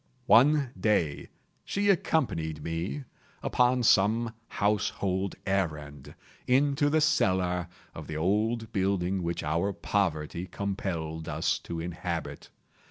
One day she accompanied me, upon some household errand, into the cellar of the old building which our poverty compelled us to inhabit.